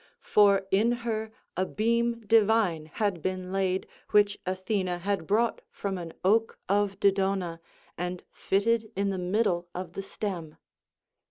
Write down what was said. For in her a beam divine had been laid which Athena had brought from an oak of Dodona and fitted in the middle of the stem.